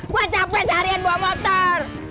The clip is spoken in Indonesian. buat capek seharian bawa motor